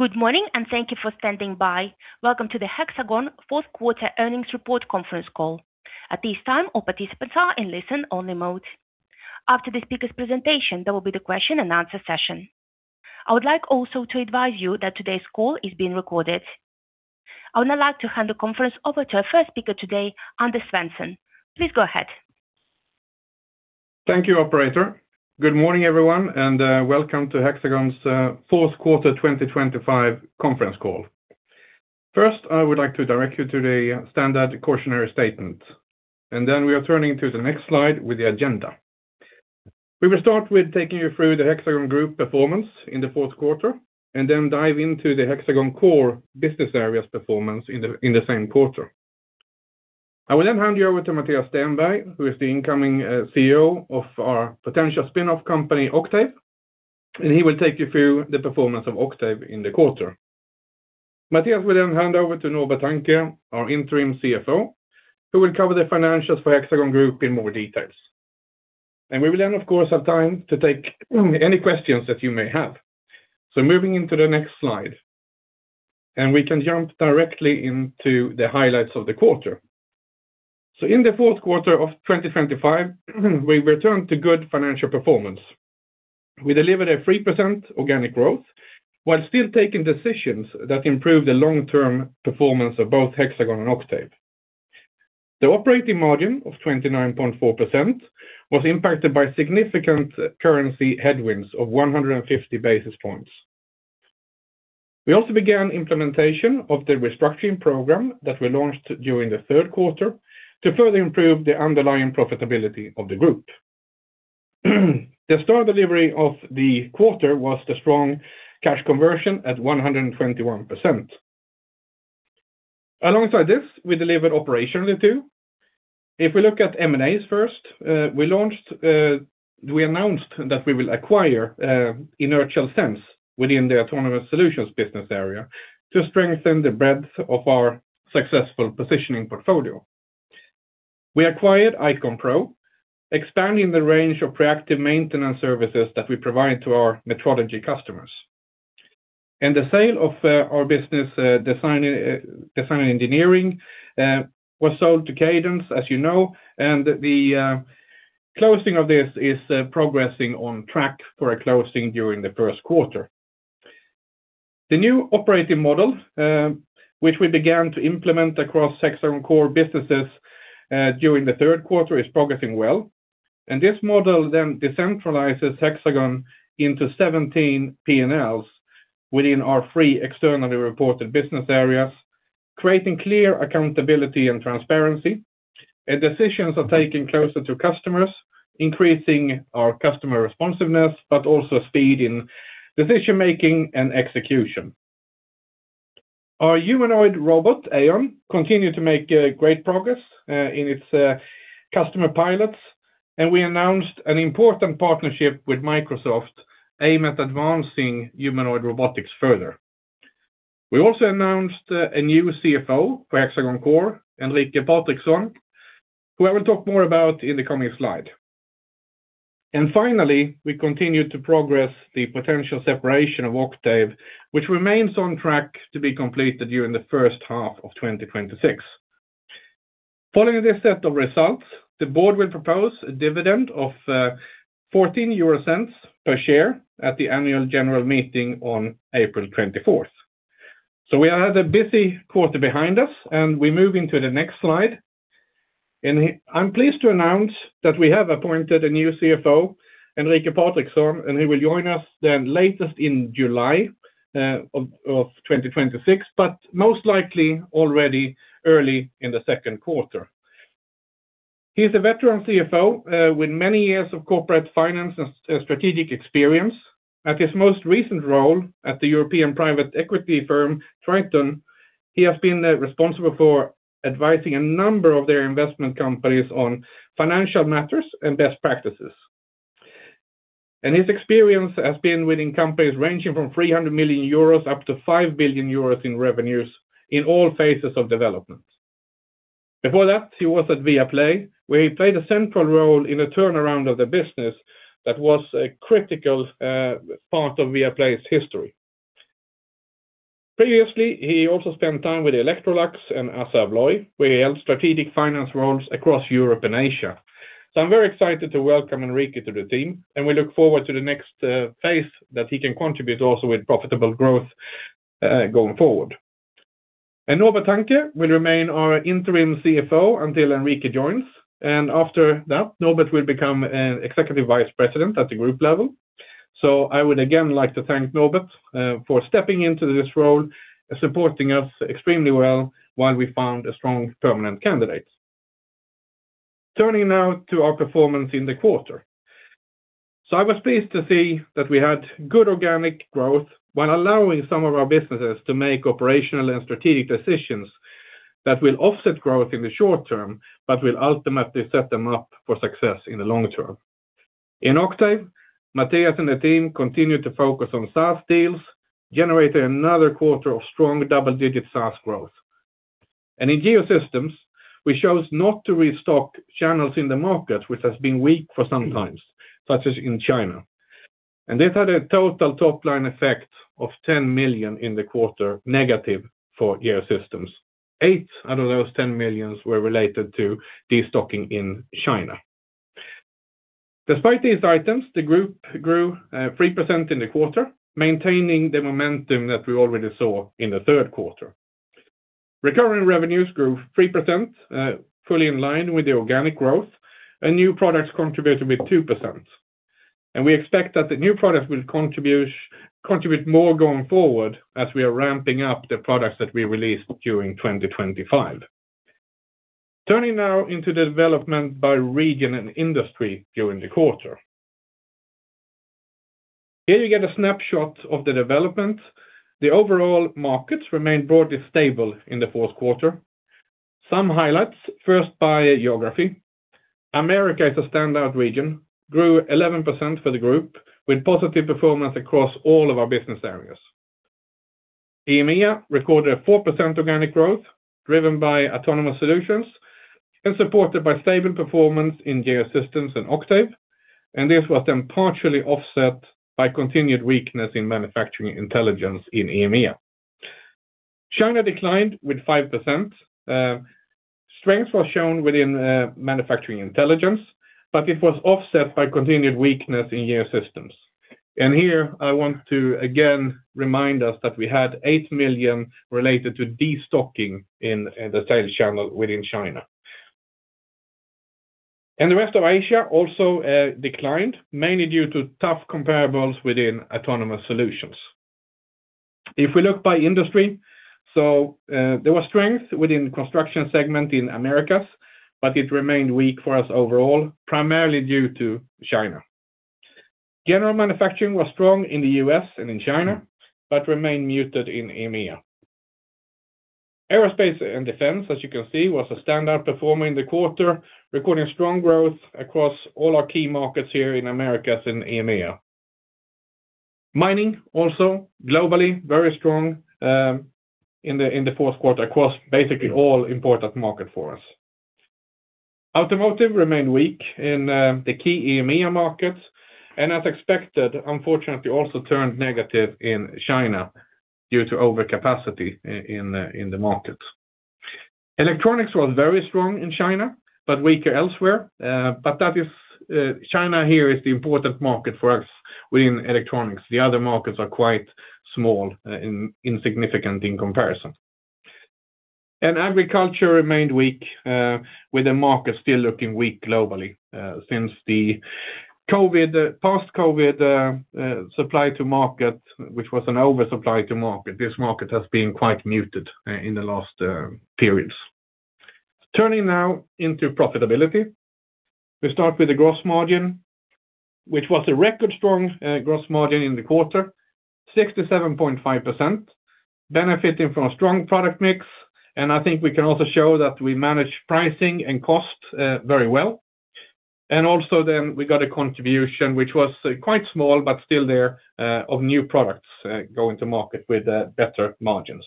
Good morning, and thank you for standing by. Welcome to the Hexagon fourth quarter earnings report conference call. At this time, all participants are in listen-only mode. After the speaker's presentation, there will be the question and answer session. I would like also to advise you that today's call is being recorded. I would now like to hand the conference over to our first speaker today, Anders Svensson. Please go ahead. Thank you, operator. Good morning, everyone, and welcome to Hexagon's fourth quarter 2025 conference call. First, I would like to direct you to the standard cautionary statement, and then we are turning to the next slide with the agenda. We will start with taking you through the Hexagon Group performance in the fourth quarter, and then dive into the Hexagon Core business areas performance in the same quarter. I will then hand you over to Mattias Stenberg, who is the incoming CEO of our potential spin-off company, Octave, and he will take you through the performance of Octave in the quarter. Mattias will then hand over to Norbert Hanke, our interim CFO, who will cover the financials for Hexagon Group in more details. We will then, of course, have time to take any questions that you may have. So moving into the next slide, and we can jump directly into the highlights of the quarter. So in the fourth quarter of 2025, we returned to good financial performance. We delivered a 3% organic growth, while still taking decisions that improve the long-term performance of both Hexagon and Octave. The operating margin of 29.4% was impacted by significant currency headwinds of 150 basis points. We also began implementation of the restructuring program that we launched during the third quarter to further improve the underlying profitability of the group. The star delivery of the quarter was the strong cash conversion at 121%. Alongside this, we delivered operationally, too. If we look at M&As first, we announced that we will acquire Inertial Sense within the autonomous solutions business area to strengthen the breadth of our successful positioning portfolio. We acquired IconPro, expanding the range of proactive maintenance services that we provide to our metrology customers. And the sale of our business, design and engineering, was sold to Cadence, as you know, and the closing of this is progressing on track for a closing during the first quarter. The new operating model, which we began to implement across Hexagon core businesses, during the third quarter, is progressing well. And this model then decentralizes Hexagon into 17 P&Ls within our three externally reported business areas, creating clear accountability and transparency. Decisions are taken closer to customers, increasing our customer responsiveness, but also speed in decision-making and execution. Our humanoid robot, AEON, continued to make great progress in its customer pilots, and we announced an important partnership with Microsoft, aimed at advancing humanoid robotics further. We also announced a new CFO for Hexagon Core, Enrique Patrickson, who I will talk more about in the coming slide. And finally, we continued to progress the potential separation of Octave, which remains on track to be completed during the first half of 2026. Following this set of results, the board will propose a dividend of 0.14 per share at the annual general meeting on April 24th. So we had a busy quarter behind us, and we move into the next slide. I'm pleased to announce that we have appointed a new CFO, Enrique Patrickson, and he will join us then latest in July of 2026, but most likely already early in the second quarter. He's a veteran CFO with many years of corporate finance and strategic experience. At his most recent role at the European private equity firm, Triton, he has been responsible for advising a number of their investment companies on financial matters and best practices. And his experience has been within companies ranging from 300 million euros up to 5 billion euros in revenues in all phases of development. Before that, he was at Viaplay, where he played a central role in the turnaround of the business that was a critical part of Viaplay's history. Previously, he also spent time with Electrolux and Assa Abloy, where he held strategic finance roles across Europe and Asia. So I'm very excited to welcome Enrique to the team, and we look forward to the next phase that he can contribute also with profitable growth going forward. And Norbert Hanke will remain our Interim CFO until Enrique joins, and after that, Norbert will become executive vice president at the group level. So I would again like to thank Norbert for stepping into this role and supporting us extremely well while we found a strong permanent candidate. Turning now to our performance in the quarter. So I was pleased to see that we had good organic growth, while allowing some of our businesses to make operational and strategic decisions that will offset growth in the short term, but will ultimately set them up for success in the long term. In Octave, Mattias and the team continued to focus on SaaS deals, generating another quarter of strong double-digit SaaS growth. And in Geosystems, we chose not to restock channels in the market, which has been weak for some time, such as in China. And this had a total top-line effect of 10 million in the quarter, negative for Geosystems. Eight out of those 10 million were related to destocking in China. Despite these items, the group grew 3% in the quarter, maintaining the momentum that we already saw in the third quarter. Recurring revenues grew 3%, fully in line with the organic growth, and new products contributed with 2%. We expect that the new products will contribute, contribute more going forward as we are ramping up the products that we released during 2025. Turning now into the development by region and industry during the quarter. Here you get a snapshot of the development. The overall markets remained broadly stable in the fourth quarter. Some highlights, first, by geography. Americas is a standout region, grew 11% for the group, with positive performance across all of our business areas. EMEA recorded a 4% organic growth, driven by autonomous solutions and supported by stable performance in Geosystems and Octave, and this was then partially offset by continued weakness in Manufacturing Intelligence in EMEA. China declined with 5%. Strength was shown within manufacturing intelligence, but it was offset by continued weakness in Geosystems. Here, I want to again remind us that we had 8 million related to destocking in the sales channel within China. The rest of Asia also declined, mainly due to tough comparables within autonomous solutions. If we look by industry, there was strength within the construction segment in Americas, but it remained weak for us overall, primarily due to China. General manufacturing was strong in the U.S. and in China, but remained muted in EMEA. Aerospace and defense, as you can see, was a standout performer in the quarter, recording strong growth across all our key markets here in Americas and EMEA. Mining, also globally, very strong in the fourth quarter, across basically all important market for us. Automotive remained weak in the key EMEA markets, and as expected, unfortunately, also turned negative in China due to overcapacity in the market. Electronics was very strong in China, but weaker elsewhere, but that is, China here is the important market for us within electronics. The other markets are quite small, insignificant in comparison. And agriculture remained weak, with the market still looking weak globally, since the COVID, post-COVID, supply to market, which was an oversupply to market, this market has been quite muted in the last periods. Turning now into profitability. We start with the gross margin, which was a record-strong gross margin in the quarter, 67.5%, benefiting from a strong product mix. And I think we can also show that we managed pricing and cost very well. And also, then, we got a contribution, which was quite small, but still there, of new products going to market with better margins.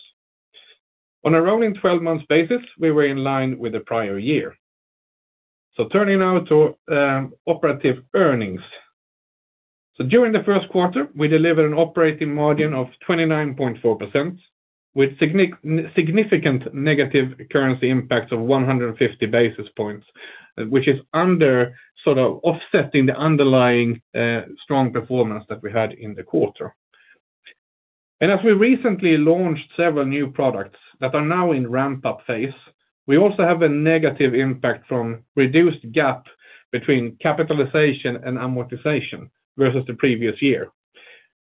On a rolling twelve months basis, we were in line with the prior year. So turning now to operating earnings. So during the first quarter, we delivered an operating margin of 29.4%, with significant negative currency impact of 150 basis points, which is under sort of offsetting the underlying strong performance that we had in the quarter. And as we recently launched several new products that are now in ramp-up phase, we also have a negative impact from reduced gap between capitalization and amortization versus the previous year.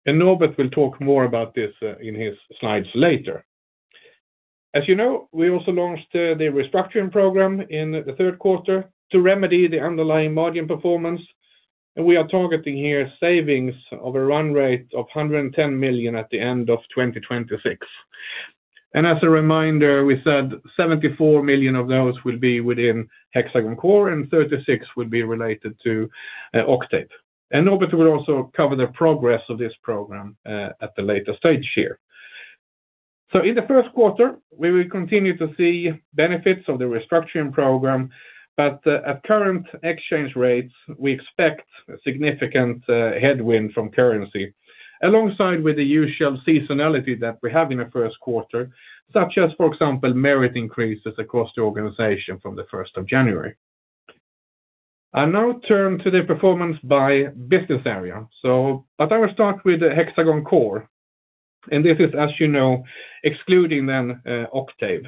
And Norbert will talk more about this in his slides later. As you know, we also launched the restructuring program in the third quarter to remedy the underlying margin performance, and we are targeting here savings of a run rate of 110 million at the end of 2026. As a reminder, we said 74 million of those will be within Hexagon Core, and 36 million would be related to Octave. Norbert will also cover the progress of this program at the later stage here. So in the first quarter, we will continue to see benefits of the restructuring program, but at current exchange rates, we expect significant headwind from currency, alongside with the usual seasonality that we have in the first quarter, such as, for example, merit increases across the organization from the first of January. I now turn to the performance by business area, so, but I will start with the Hexagon Core, and this is, as you know, excluding then, Octave.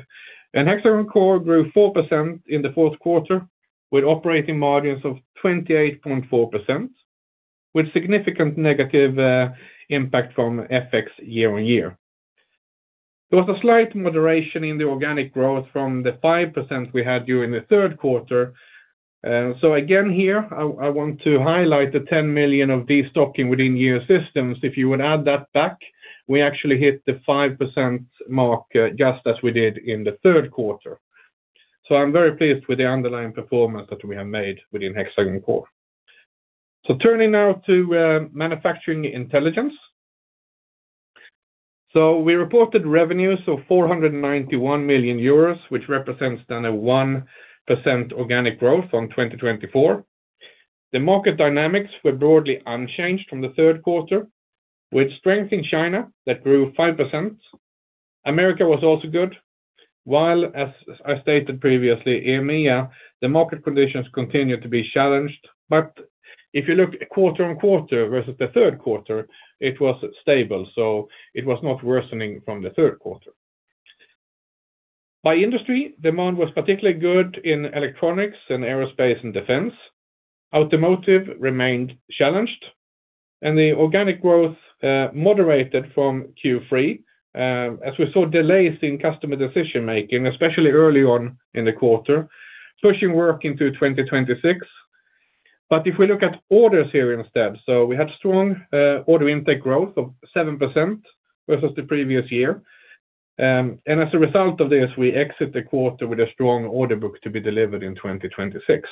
And Hexagon Core grew 4% in the fourth quarter, with operating margins of 28.4%, with significant negative impact from FX year on year. There was a slight moderation in the organic growth from the 5% we had during the third quarter. So again, here I want to highlight the 10 million of destocking within Geosystems. If you would add that back, we actually hit the 5% mark, just as we did in the third quarter. So I'm very pleased with the underlying performance that we have made within Hexagon Core. So turning now to, manufacturing intelligence. So we reported revenues of 491 million euros, which represents then a 1% organic growth from 2024. The market dynamics were broadly unchanged from the third quarter, with strength in China that grew 5%. America was also good, while, as, as I stated previously, EMEA, the market conditions continued to be challenged. But if you look quarter on quarter versus the third quarter, it was stable, so it was not worsening from the third quarter. By industry, demand was particularly good in electronics and aerospace and defense. Automotive remained challenged, and the organic growth moderated from Q3, as we saw delays in customer decision-making, especially early on in the quarter, pushing work into 2026. But if we look at orders here instead, so we had strong order intake growth of 7% versus the previous year. And as a result of this, we exit the quarter with a strong order book to be delivered in 2026.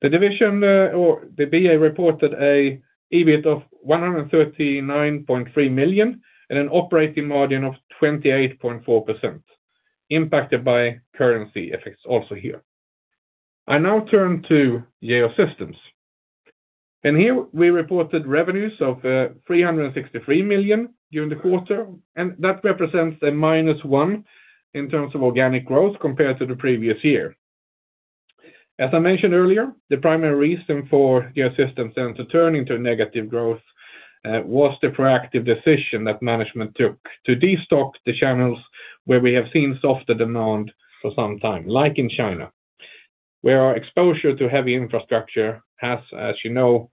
The division, or the BA reported an EBIT of 139.3 million and an operating margin of 28.4%, impacted by currency effects also here. I now turn to Geo Systems, and here we reported revenues of 363 million during the quarter, and that represents a -1% in terms of organic growth compared to the previous year. As I mentioned earlier, the primary reason for Geosystems then to turn into negative growth was the proactive decision that management took to destock the channels, where we have seen softer demand for some time, like in China, where our exposure to heavy infrastructure has, as you know,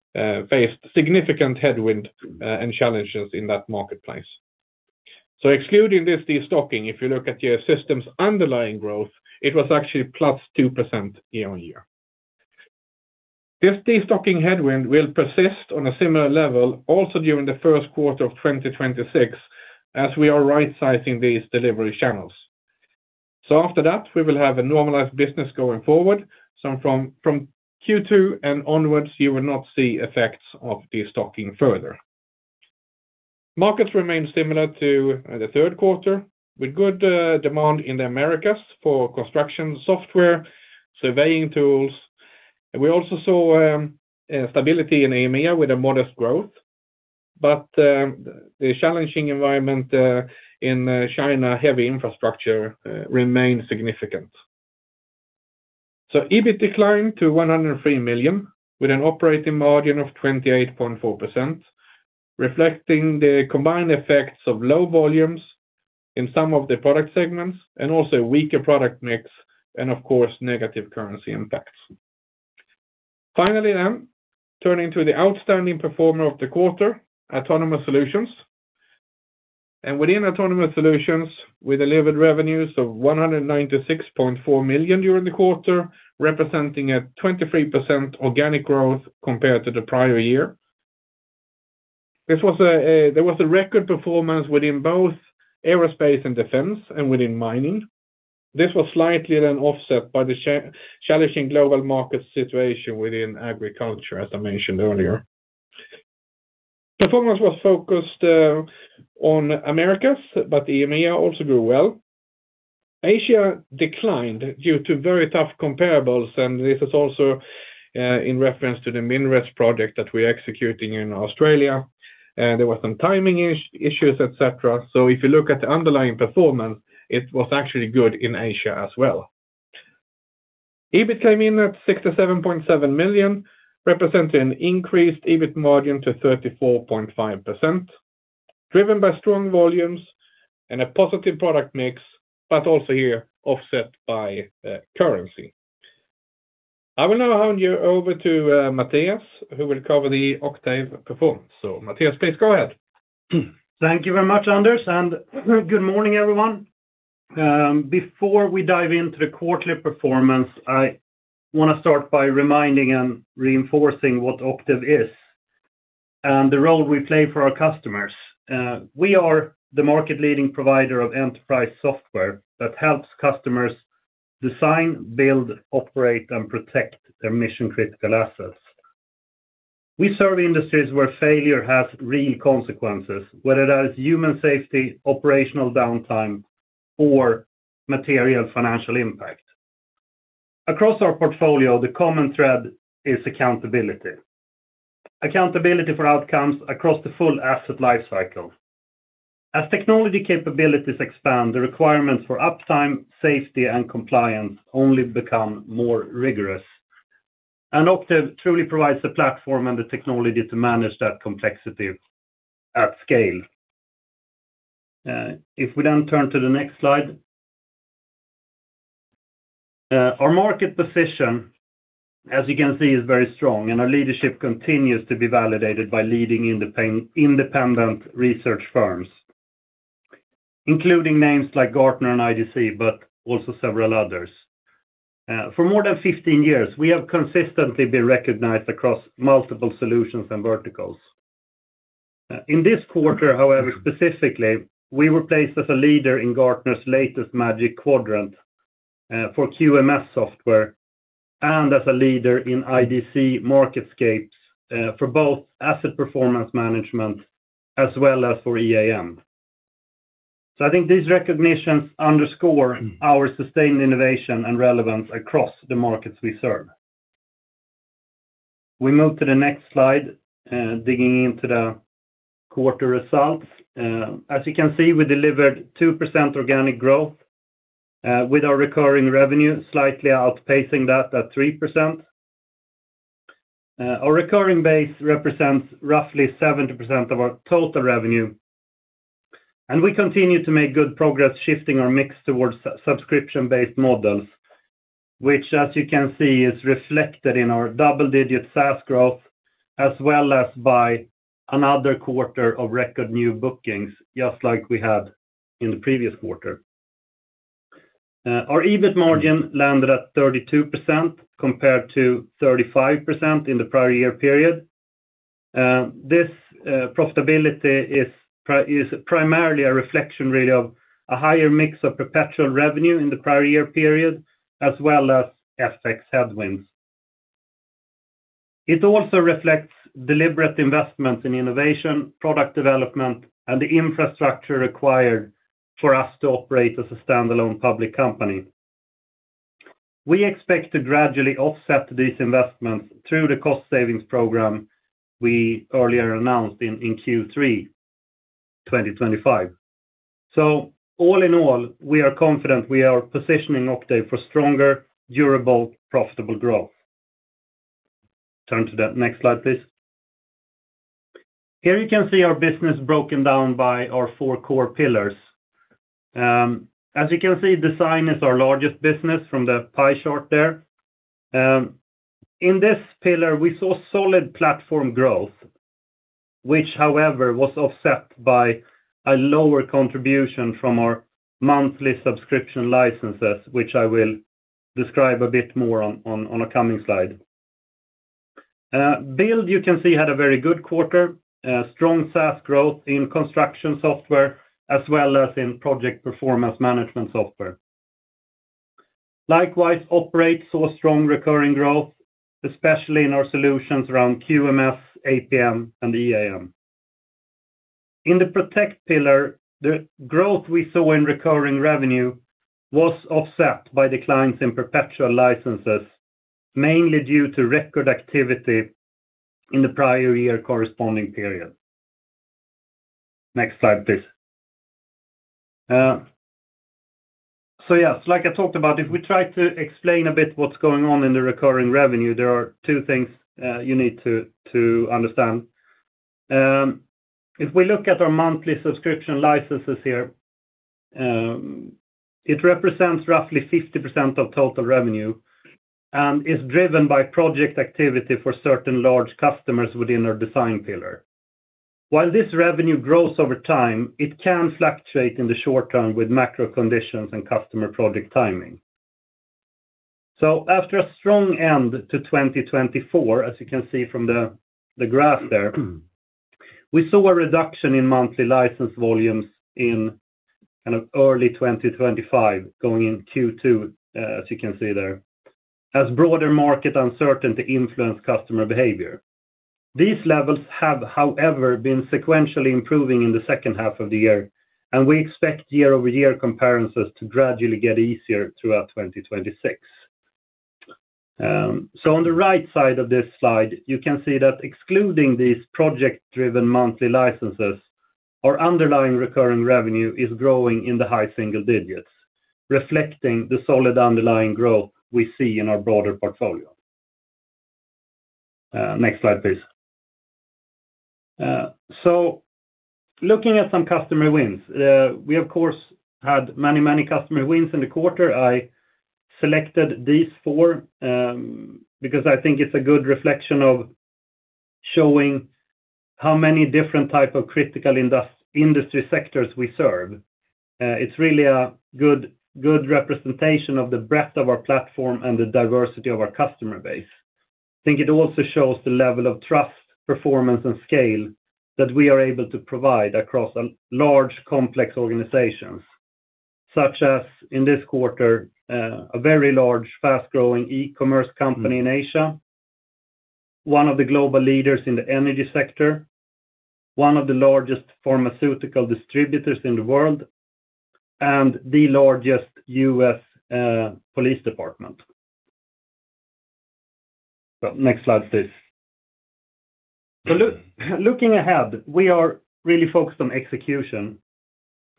faced significant headwind and challenges in that marketplace. So excluding this destocking, if you look at Geosystems' underlying growth, it was actually +2% year-on-year. This destocking headwind will persist on a similar level also during the first quarter of 2026, as we are rightsizing these delivery channels. So after that, we will have a normalized business going forward. So from Q2 and onwards, you will not see effects of destocking further. Markets remain similar to the third quarter, with good demand in the Americas for construction software, surveying tools. We also saw stability in EMEA with a modest growth, but the challenging environment in China, heavy infrastructure, remains significant. So EBIT declined to 103 million, with an operating margin of 28.4%, reflecting the combined effects of low volumes in some of the product segments and also weaker product mix and, of course, negative currency impacts. Finally, I'm turning to the outstanding performer of the quarter, Autonomous Solutions. Within Autonomous Solutions, we delivered revenues of 196.4 million during the quarter, representing a 23% organic growth compared to the prior year. This was a record performance within both aerospace and defense and within mining. This was slightly then offset by the challenging global market situation within agriculture, as I mentioned earlier. Performance was focused on Americas, but EMEA also grew well. Asia declined due to very tough comparables, and this is also in reference to the MinRes project that we're executing in Australia. There were some timing issues, et cetera. So if you look at the underlying performance, it was actually good in Asia as well. EBIT came in at 67.7 million, representing an increased EBIT margin to 34.5%, driven by strong volumes and a positive product mix, but also here offset by currency. I will now hand you over to Mattias, who will cover the Octave performance. So, Mattias, please go ahead. Thank you very much, Anders, and good morning, everyone. Before we dive into the quarterly performance, I want to start by reminding and reinforcing what Octave is and the role we play for our customers. We are the market leading provider of enterprise software that helps customers design, build, operate, and protect their mission-critical assets. We serve industries where failure has real consequences, whether that is human safety, operational downtime, or material financial impact. Across our portfolio, the common thread is accountability. Accountability for outcomes across the full asset life cycle. As technology capabilities expand, the requirements for uptime, safety, and compliance only become more rigorous. Octave truly provides the platform and the technology to manage that complexity at scale. If we then turn to the next slide. Our market position, as you can see, is very strong, and our leadership continues to be validated by leading independent research firms, including names like Gartner and IDC, but also several others. For more than 15 years, we have consistently been recognized across multiple solutions and verticals. In this quarter, however, specifically, we were placed as a leader in Gartner's latest Magic Quadrant for QMS software and as a leader in IDC MarketScape for both asset performance management as well as for EAM. So I think these recognitions underscore our sustained innovation and relevance across the markets we serve. We move to the next slide, digging into the quarter results. As you can see, we delivered 2% organic growth, with our recurring revenue slightly outpacing that at 3%. Our recurring base represents roughly 70% of our total revenue, and we continue to make good progress shifting our mix towards subscription-based models, which, as you can see, is reflected in our double-digit SaaS growth, as well as by another quarter of record new bookings, just like we had in the previous quarter. Our EBIT margin landed at 32%, compared to 35% in the prior year period. This profitability is primarily a reflection really of a higher mix of perpetual revenue in the prior year period, as well as FX headwinds. It also reflects deliberate investments in innovation, product development, and the infrastructure required for us to operate as a standalone public company. We expect to gradually offset these investments through the cost savings program we earlier announced in Q3 2025. So all in all, we are confident we are positioning Octave for stronger, durable, profitable growth. Turn to the next slide, please. Here you can see our business broken down by our four core pillars. As you can see, design is our largest business from the pie chart there. In this pillar, we saw solid platform growth, which, however, was offset by a lower contribution from our monthly subscription licenses, which I will describe a bit more on a coming slide. Build, you can see, had a very good quarter, strong SaaS growth in construction software, as well as in project performance management software. Likewise, operate saw strong recurring growth, especially in our solutions around QMS, APM, and EAM. In the protect pillar, the growth we saw in recurring revenue was offset by declines in perpetual licenses, mainly due to record activity in the prior year corresponding period. Next slide, please. So yes, like I talked about, if we try to explain a bit what's going on in the recurring revenue, there are two things, you need to, to understand. If we look at our monthly subscription licenses here, it represents roughly 50% of total revenue and is driven by project activity for certain large customers within our design pillar. While this revenue grows over time, it can fluctuate in the short term with macro conditions and customer project timing. So after a strong end to 2024, as you can see from the graph there, we saw a reduction in monthly license volumes in kind of early 2025, going in Q2, as you can see there, as broader market uncertainty influenced customer behavior. These levels have, however, been sequentially improving in the second half of the year, and we expect year-over-year comparisons to gradually get easier throughout 2026. So on the right side of this slide, you can see that excluding these project-driven monthly licenses, our underlying recurring revenue is growing in the high single digits, reflecting the solid underlying growth we see in our broader portfolio. Next slide, please. So looking at some customer wins, we, of course, had many, many customer wins in the quarter. I selected these four, because I think it's a good reflection of showing how many different type of critical industry sectors we serve. It's really a good, good representation of the breadth of our platform and the diversity of our customer base. I think it also shows the level of trust, performance, and scale that we are able to provide across a large, complex organizations, such as, in this quarter, a very large, fast-growing e-commerce company in Asia, one of the global leaders in the energy sector, one of the largest pharmaceutical distributors in the world, and the largest U.S. police department. Well, next slide, please. So looking ahead, we are really focused on execution.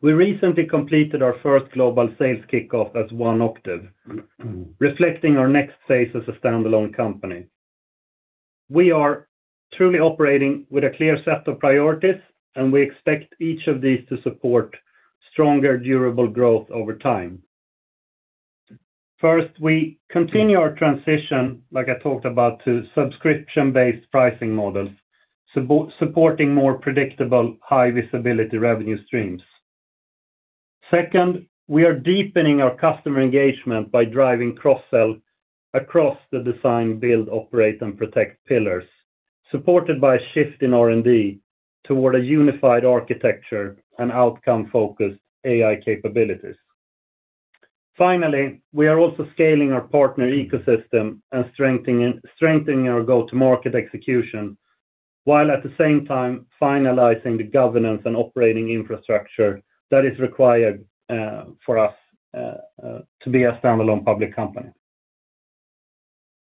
We recently completed our first global sales kickoff as One Octave, reflecting our next phase as a standalone company. We are truly operating with a clear set of priorities, and we expect each of these to support stronger, durable growth over time. First, we continue our transition, like I talked about, to subscription-based pricing models, supporting more predictable, high visibility revenue streams. Second, we are deepening our customer engagement by driving cross-sell across the design, build, operate, and protect pillars, supported by a shift in R&D toward a unified architecture and outcome-focused AI capabilities. Finally, we are also scaling our partner ecosystem and strengthening our go-to-market execution, while at the same time finalizing the governance and operating infrastructure that is required for us to be a standalone public company.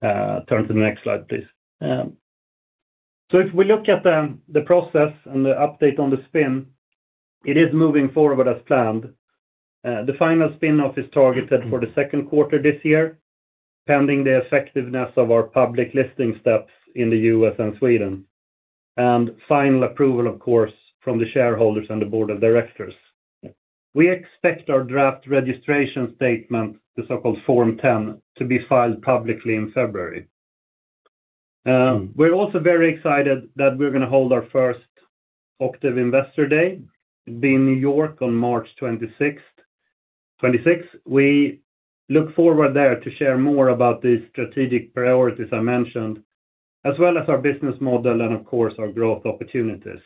Turn to the next slide, please. So if we look at the process and the update on the spin, it is moving forward as planned. The final spin-off is targeted for the second quarter this year, pending the effectiveness of our public listing steps in the U.S. and Sweden, and final approval, of course, from the shareholders and the board of directors. We expect our draft registration statement, the so-called Form 10, to be filed publicly in February. We're also very excited that we're gonna hold our first Octave Investor Day in New York on March 26th, 26th. We look forward there to share more about the strategic priorities I mentioned, as well as our business model and, of course, our growth opportunities.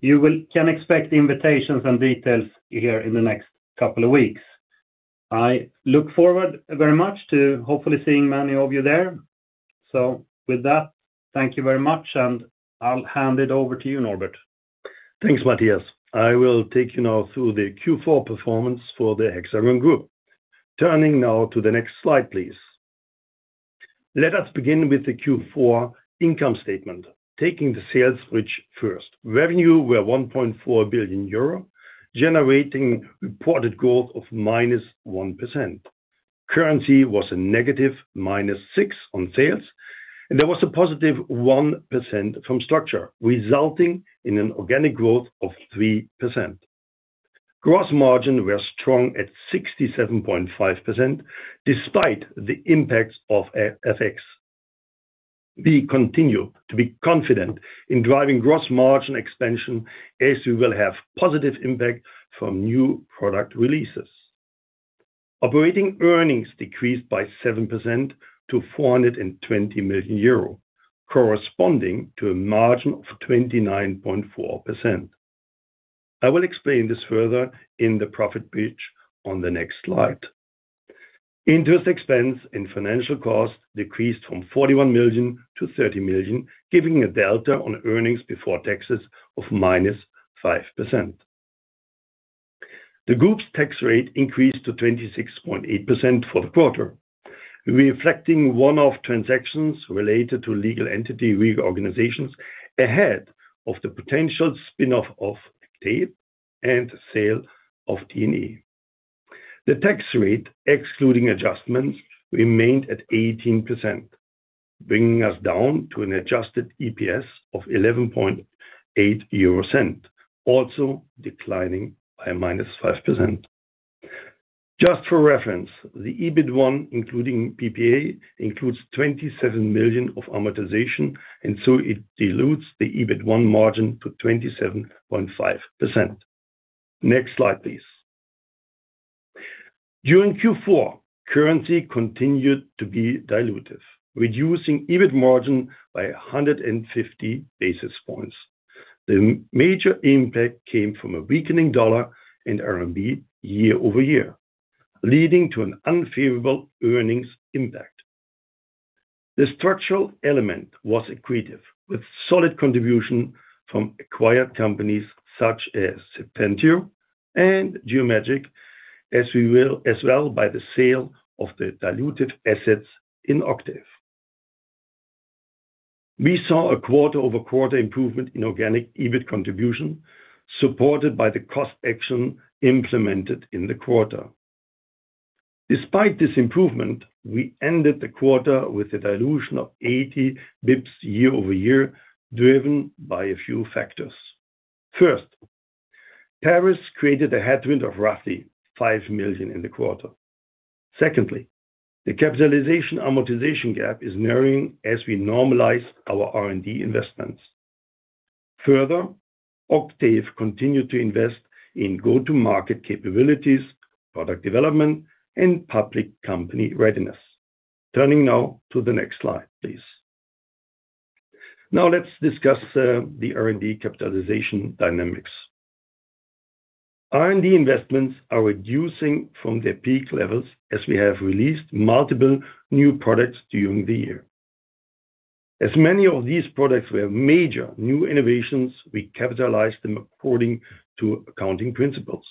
You can expect invitations and details here in the next couple of weeks. I look forward very much to hopefully seeing many of you there. So with that, thank you very much, and I'll hand it over to you, Norbert. Thanks, Mattias. I will take you now through the Q4 performance for the Hexagon group. Turning now to the next slide, please. Let us begin with the Q4 income statement, taking the sales bridge first. Revenue were 1.4 billion euro, generating reported growth of -1%. Currency was a negative -6% on sales, and there was a positive +1% from structure, resulting in an organic growth of 3%. Gross margin were strong at 67.5%, despite the impacts of FX. We continue to be confident in driving gross margin expansion, as we will have positive impact from new product releases. Operating earnings decreased by 7% to 420 million euro, corresponding to a margin of 29.4%. I will explain this further in the profit bridge on the next slide. Interest expense and financial costs decreased from 41 million to 30 million, giving a delta on earnings before taxes of -5%. The group's tax rate increased to 26.8% for the quarter, reflecting one-off transactions related to legal entity reorganizations ahead of the potential spin-off of Octave and sale of D&E. The tax rate, excluding adjustments, remained at 18%, bringing us down to an adjusted EPS of 0.118, also declining by -5%. Just for reference, the EBIT1, including PPA, includes 27 million of amortization, and so it dilutes the EBIT1 margin to 27.5%. Next slide, please. During Q4, currency continued to be dilutive, reducing EBIT margin by 150 basis points. The major impact came from a weakening dollar and RMB year-over-year, leading to an unfavorable earnings impact. The structural element was accretive, with solid contribution from acquired companies such as [Pentair] and Geomagic, as well by the sale of the dilutive assets in Octave. We saw a quarter-over-quarter improvement in organic EBIT contribution, supported by the cost action implemented in the quarter. Despite this improvement, we ended the quarter with a dilution of 80 basis points year-over-year, driven by a few factors. First, Paris created a headwind of roughly 5 million in the quarter. Secondly, the capitalization amortization gap is narrowing as we normalize our R&D investments. Further, Octave continued to invest in go-to-market capabilities, product development, and public company readiness. Turning now to the next slide, please. Now let's discuss the R&D capitalization dynamics. R&D investments are reducing from their peak levels as we have released multiple new products during the year. As many of these products were major new innovations, we capitalized them according to accounting principles.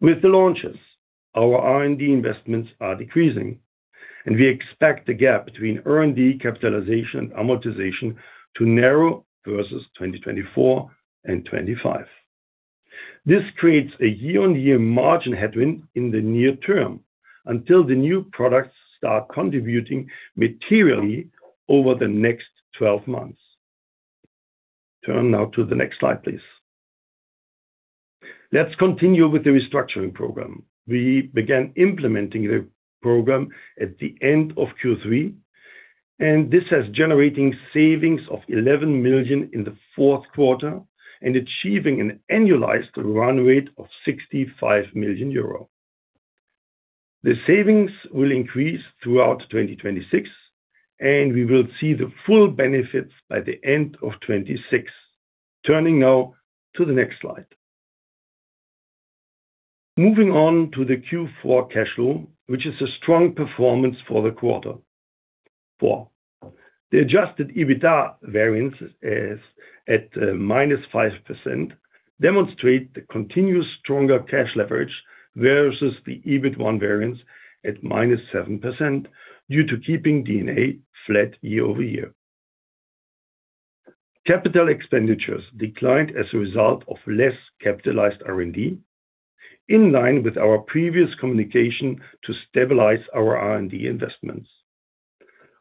With the launches, our R&D investments are decreasing, and we expect the gap between R&D capitalization and amortization to narrow versus 2024 and 2025. This creates a year-on-year margin headwind in the near term, until the new products start contributing materially over the next 12 months. Turn now to the next slide, please. Let's continue with the restructuring program. We began implementing the program at the end of Q3, and this has generated savings of 11 million in the fourth quarter and achieving an annualized run rate of 65 million euro. The savings will increase throughout 2026, and we will see the full benefits by the end of 2026. Turning now to the next slide. Moving on to the Q4 cash flow, which is a strong performance for the quarter. Four, the adjusted EBITDA variance is at -5%, demonstrate the continuous stronger cash leverage versus the EBIT1 variance at -7% due to keeping D&A flat year-over-year. Capital expenditures declined as a result of less capitalized R&D, in line with our previous communication to stabilize our R&D investments.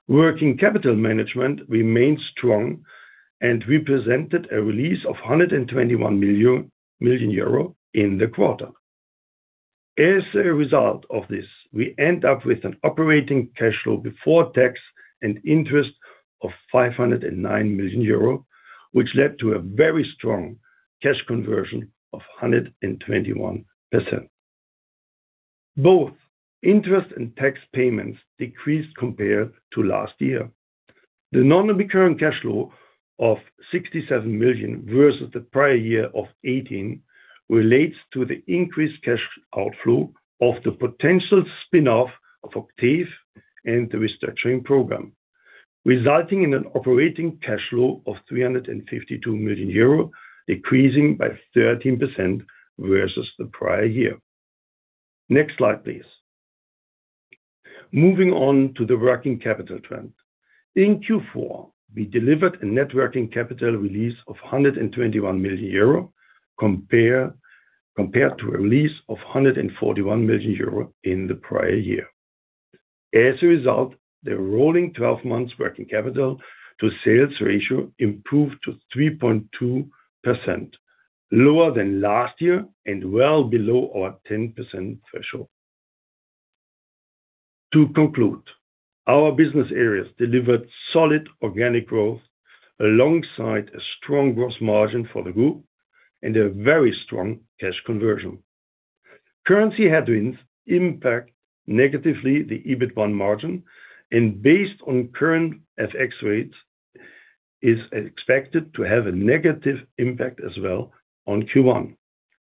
Working capital management remains strong and represented a release of 121 million euro in the quarter. As a result of this, we end up with an operating cash flow before tax and interest of 509 million euro, which led to a very strong cash conversion of 121%. Both interest and tax payments decreased compared to last year. The non-recurring cash flow of 67 million versus the prior year of 18, relates to the increased cash outflow of the potential spin-off of Octave and the restructuring program, resulting in an operating cash flow of 352 million euro, decreasing by 13% versus the prior year. Next slide, please. Moving on to the working capital trend. In Q4, we delivered a net working capital release of 121 million euro, compared to a release of 141 million euro in the prior year. As a result, the rolling twelve months working capital to sales ratio improved to 3.2%, lower than last year and well below our 10% threshold. To conclude, our business areas delivered solid organic growth, alongside a strong growth margin for the group and a very strong cash conversion. Currency headwinds impact negatively the EBIT1 margin, and based on current FX rates, is expected to have a negative impact as well on Q1,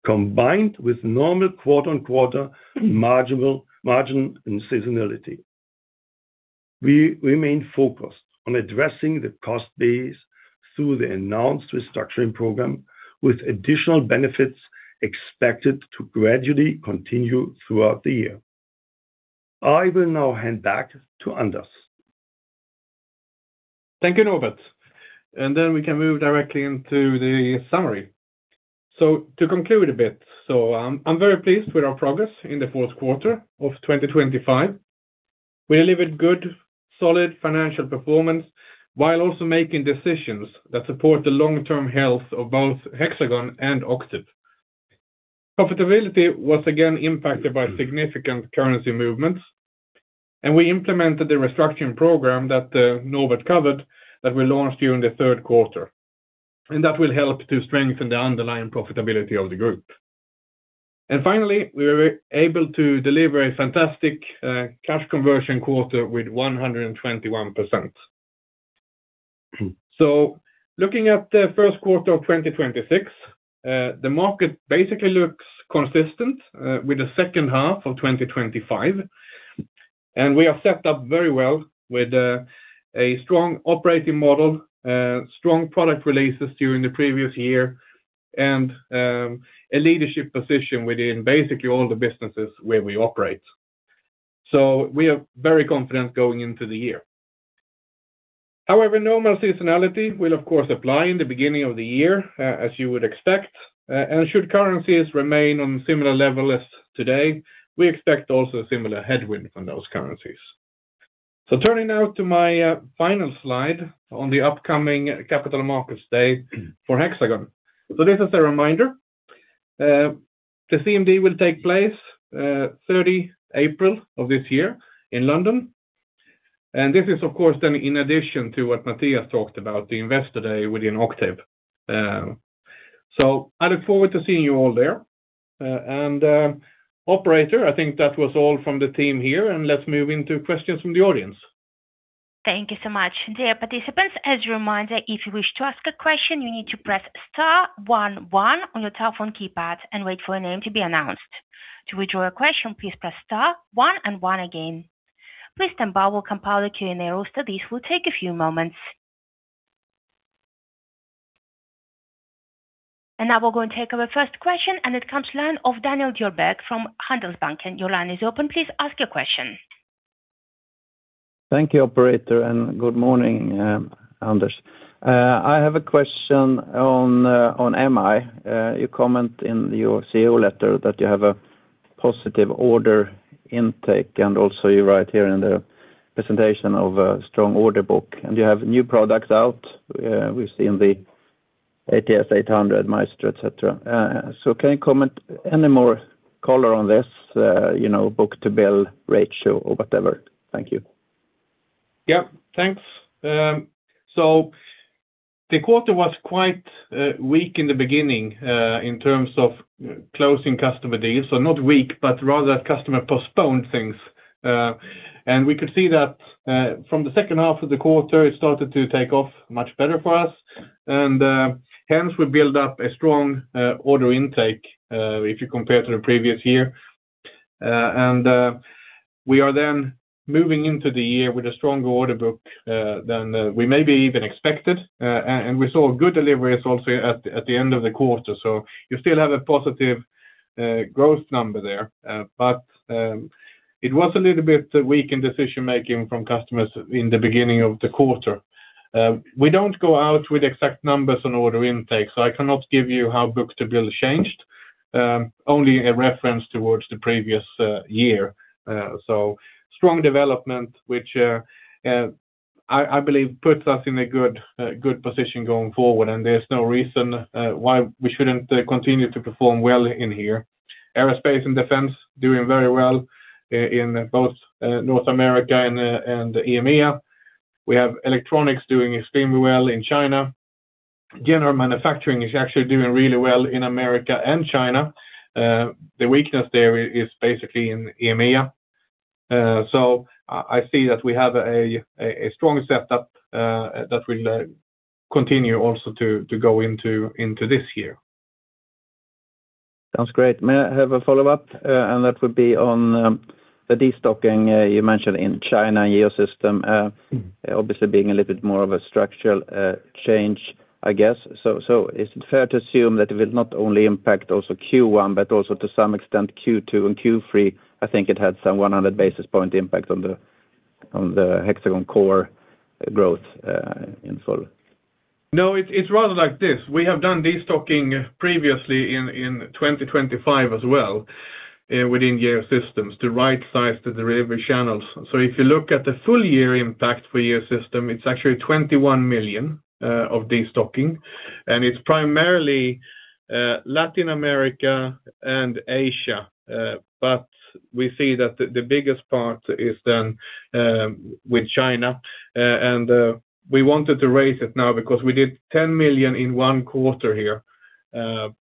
combined with normal quarter-on-quarter margin and seasonality. We remain focused on addressing the cost base through the announced restructuring program, with additional benefits expected to gradually continue throughout the year. I will now hand back to Anders. Thank you, Norbert. Then we can move directly into the summary. So to conclude a bit, so, I'm very pleased with our progress in the fourth quarter of 2025. We delivered good, solid financial performance while also making decisions that support the long-term health of both Hexagon and Octave. Profitability was again impacted by significant currency movements, and we implemented the restructuring program that, Norbert covered, that we launched during the third quarter, and that will help to strengthen the underlying profitability of the group. And finally, we were able to deliver a fantastic, cash conversion quarter with 121%. So looking at the first quarter of 2026, the market basically looks consistent with the second half of 2025, and we are set up very well with a strong operating model, strong product releases during the previous year, and a leadership position within basically all the businesses where we operate. So we are very confident going into the year. However, normal seasonality will, of course, apply in the beginning of the year, as you would expect, and should currencies remain on similar level as today, we expect also a similar headwind on those currencies. So turning now to my final slide on the upcoming capital markets day for Hexagon. So this is a reminder, the CMD will take place 30 April of this year in London, and this is, of course, then in addition to what Mattias talked about, the investor day within Octave. So I look forward to seeing you all there. And, operator, I think that was all from the team here, and let's move into questions from the audience. Thank you so much. Dear participants, as a reminder, if you wish to ask a question, you need to press star one one on your telephone keypad and wait for your name to be announced. To withdraw your question, please press star one and one again. Please stand by, we'll compile the Q&A roster. This will take a few moments. And now we're going to take our first question, and it comes in of Daniel Djurberg from Handelsbanken. Your line is open. Please ask your question. Thank you, operator, and good morning, Anders. I have a question on MI. You comment in your CEO letter that you have a positive order intake, and also you write here in the presentation of a strong order book, and you have new products out. We've seen the ATS800, MAESTRO, etc. So can you comment any more color on this, you know, book-to-bill ratio or whatever? Thank you. Yep, thanks. So the quarter was quite weak in the beginning in terms of closing customer deals. So not weak, but rather customer postponed things. And we could see that from the second half of the quarter, it started to take off much better for us. And hence we build up a strong order intake if you compare to the previous year. And we are then moving into the year with a stronger order book than we maybe even expected. And we saw good deliveries also at the end of the quarter, so you still have a positive growth number there. But it was a little bit weak in decision-making from customers in the beginning of the quarter. We don't go out with exact numbers on order intake, so I cannot give you how book to bill changed, only a reference towards the previous year. So strong development, which I believe puts us in a good position going forward, and there's no reason why we shouldn't continue to perform well in here. Aerospace and Defense doing very well in both North America and EMEA. We have electronics doing extremely well in China. General manufacturing is actually doing really well in America and China. The weakness there is basically in EMEA. So I see that we have a strong setup that will continue also to go into this year. Sounds great. May I have a follow-up? And that would be on the destocking you mentioned in China Geosystems, obviously being a little bit more of a structural change, I guess. So, so is it fair to assume that it will not only impact also Q1, but also to some extent, Q2 and Q3? I think it had some 100 basis points impact on the Hexagon Core growth in full. No, it's rather like this: we have done destocking previously in 2025 as well, within Geosystems to rightsize the delivery channels. So if you look at the full year impact for Geosystems, it's actually 21 million of destocking, and it's primarily Latin America and Asia. But we see that the biggest part is then with China, and we wanted to raise it now because we did 10 million in one quarter here,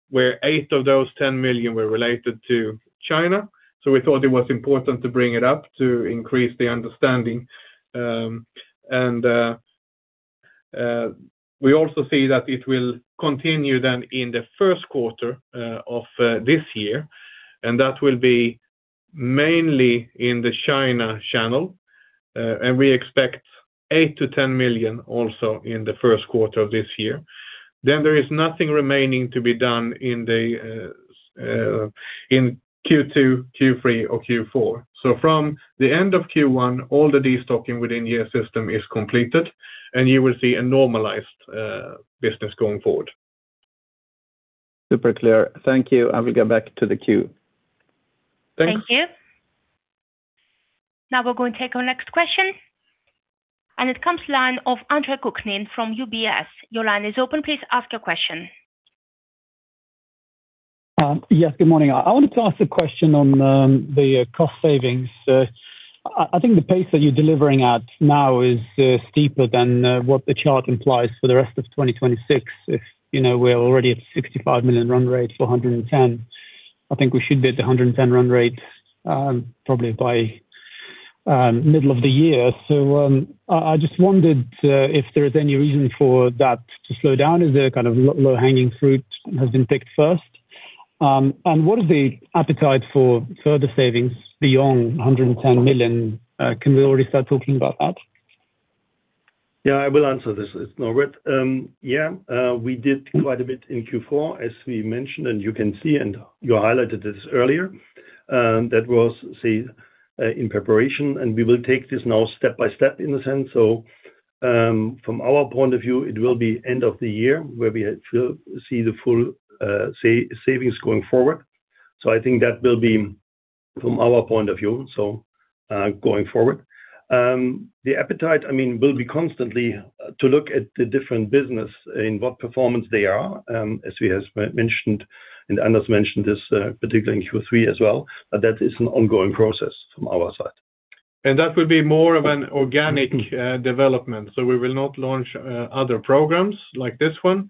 where eight of those 10 million were related to China. So we thought it was important to bring it up to increase the understanding. And we also see that it will continue then in the first quarter of this year, and that will be mainly in the China channel. We expect 8 million-10 million also in the first quarter of this year. There is nothing remaining to be done in Q2, Q3, or Q4. From the end of Q1, all the destocking within Geosystems is completed, and you will see a normalized business going forward. Super clear. Thank you. I will go back to the queue. Thanks. Thank you. Now we're going to take our next question, and it comes line of Andre Kukhnin from UBS. Your line is open. Please ask your question. Yes, good morning. I wanted to ask a question on the cost savings. I think the pace that you're delivering at now is steeper than what the chart implies for the rest of 2026. If, you know, we're already at 65 million run rate for 110 million, I think we should be at the 110 million run rate, probably by middle of the year. So, I just wondered if there is any reason for that to slow down. Is there kind of low-hanging fruit has been picked first? And what is the appetite for further savings beyond 110 million? Can we already start talking about that? Yeah, I will answer this, it's Norbert. Yeah, we did quite a bit in Q4, as we mentioned, and you can see, and you highlighted this earlier, that was, say, in preparation, and we will take this now step by step in a sense. So, from our point of view, it will be end of the year where we will see the full, savings going forward. So I think that will be from our point of view, so, going forward. The appetite, I mean, will be constantly, to look at the different business in what performance they are, as we has mentioned, and Anders mentioned this, particularly in Q3 as well, but that is an ongoing process from our side. And that will be more of an organic development, so we will not launch other programs like this one.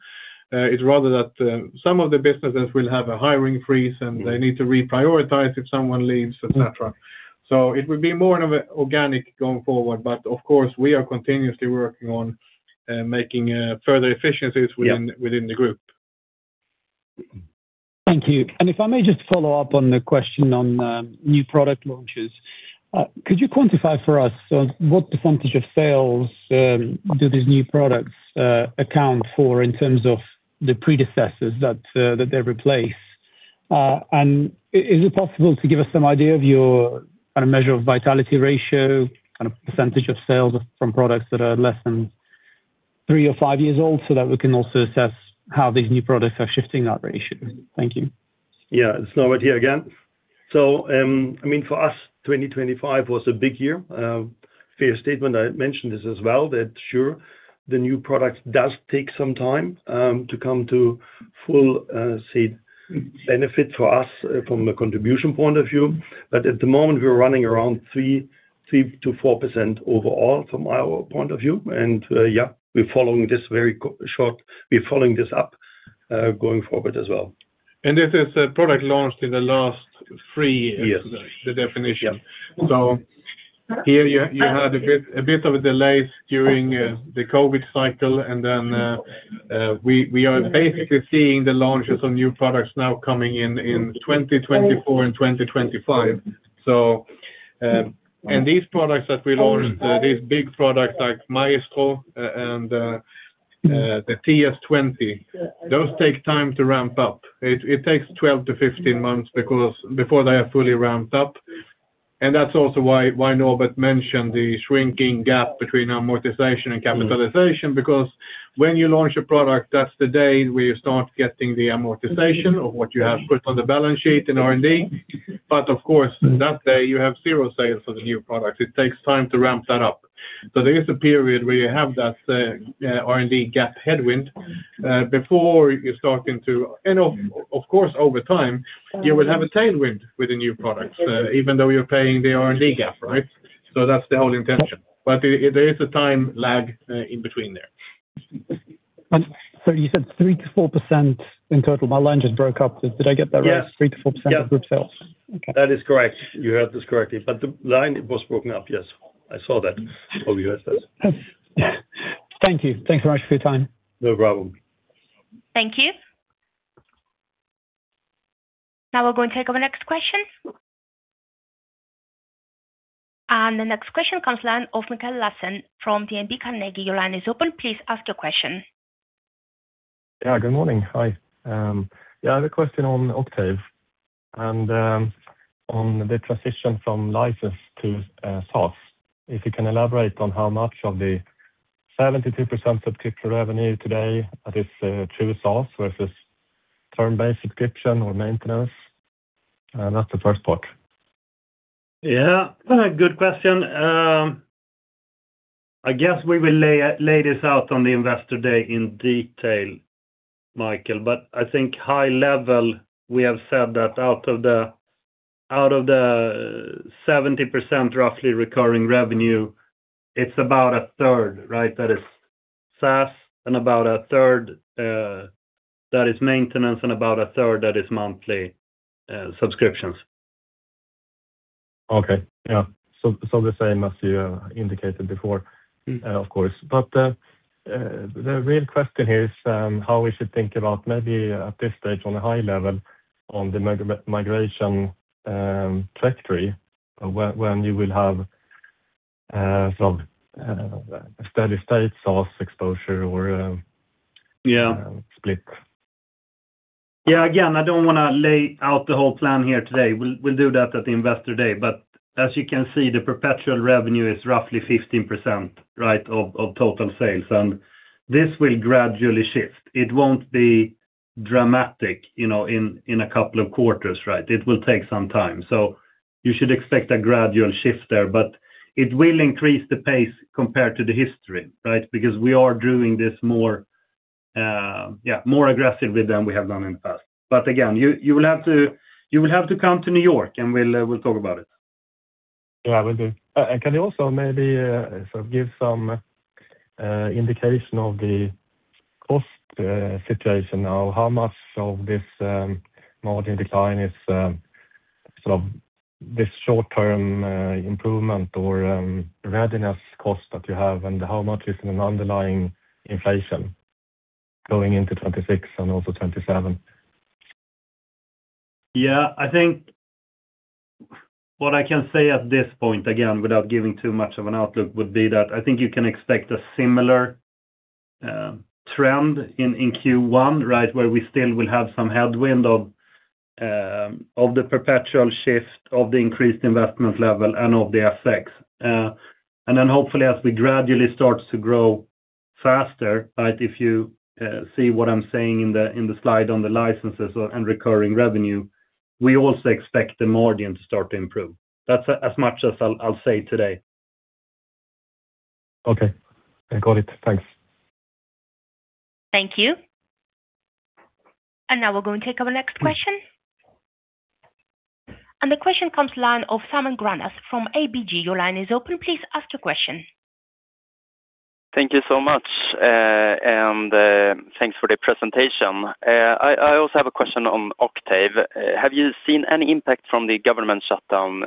It's rather that some of the businesses will have a hiring freeze, and they need to reprioritize if someone leaves, et cetera. So it would be more of an organic going forward, but of course, we are continuously working on making further efficiencies. Yeah within the group. Thank you. And if I may just follow up on the question on new product launches. Could you quantify for us, so what percentage of sales do these new products account for in terms of the predecessors that they replace? And is it possible to give us some idea of your kind of measure of vitality ratio, kind of percentage of sales from products that are less than three or five years old, so that we can also assess how these new products are shifting that ratio? Thank you. Yeah, it's Norbert here again. So, I mean, for us, 2025 was a big year, fair statement. I mentioned this as well, that sure, the new product does take some time to come to full, say, benefit for us from a contribution point of view. But at the moment, we're running around 3%-4% overall, from our point of view. And, yeah, we're following this very closely. We're following this up, going forward as well. This is a product launched in the last three years- Yes. the definition. Yeah. So here you had a bit of a delays during the COVID cycle, and then we are basically seeing the launches of new products now coming in, in 2024 and 2025. So, and these products that we launched, these big products like MAESTRO and the TS20, those take time to ramp up. It takes 12 months-15 months because before they are fully ramped up, and that's also why Norbert mentioned the shrinking gap between amortization and capitalization. Because when you launch a product, that's the day where you start getting the amortization of what you have put on the balance sheet in R&D. But of course, that day you have zero sales for the new product. It takes time to ramp that up. So there is a period where you have that R&D gap headwind before you're starting to. And of course, over time, you will have a tailwind with the new products even though you're paying the R&D gap, right? So that's the whole intention. But there is a time lag in between there. So, you said 3%-4% in total. My line just broke up. Did I get that right? Yes. 3%-4% of group sales. Yeah. Okay. That is correct. You heard this correctly, but the line, it was broken up. Yes, I saw that from the U.S. Thank you. Thanks very much for your time. No problem. Thank you. Now we're going to take our next question. The next question comes from the line of Mikael Laséen from DNB Carnegie. Your line is open. Please ask your question. Yeah, good morning. Hi. Yeah, I have a question on Octave and on the transition from license to SaaS. If you can elaborate on how much of the 72% subscription revenue today that is true SaaS versus term-based subscription or maintenance? That's the first part. Yeah, good question. I guess we will lay this out on the Investor Day in detail, Mikael, but I think high level, we have said that out of the 70%, roughly recurring revenue, it's about a third, right? That is SaaS, and about a third that is maintenance, and about a third that is monthly subscriptions. Okay. Yeah. So the same as you indicated before- Mm. Of course. But, the real question here is how we should think about maybe at this stage, on a high level, on the migration trajectory, when you will have some steady state SaaS exposure or Yeah - split? Yeah, again, I don't want to lay out the whole plan here today. We'll, we'll do that at the Investor Day. But as you can see, the perpetual revenue is roughly 15%, right, of, of total sales, and this will gradually shift. It won't be dramatic, you know, in, in a couple of quarters, right? It will take some time. So you should expect a gradual shift there, but it will increase the pace compared to the history, right? Because we are doing this more, yeah, more aggressively than we have done in the past. But again, you, you will have to, you will have to come to New York, and we'll, we'll talk about it. Yeah, will do. And can you also maybe sort of give some indication of the cost situation now? How much of this margin decline is sort of this short-term improvement or readiness cost that you have, and how much is in an underlying inflation going into 2026 and also 2027? Yeah, I think what I can say at this point, again, without giving too much of an outlook, would be that I think you can expect a similar trend in Q1, right? Where we still will have some headwind of the perpetual shift, of the increased investment level and of the FX. And then hopefully, as we gradually start to grow faster, but if you see what I'm saying in the slide on the licenses and recurring revenue, we also expect the margin to start to improve. That's as much as I'll say today. Okay, I got it. Thanks. Thank you. Now we're going to take our next question. The question comes from the line of Simon Granath from ABG. Your line is open. Please ask your question. Thank you so much, and thanks for the presentation. I also have a question on Octave. Have you seen any impact from the government shutdown,